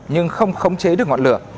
nhưng không khống chế được ngọn lửa